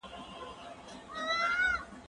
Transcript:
زه اجازه لرم چي سبزیجات تيار کړم،